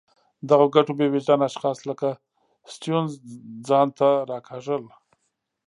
دغو ګټو بې وجدان اشخاص لکه سټیونز ځان ته راکاږل.